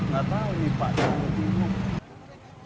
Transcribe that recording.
gak tahu nih pak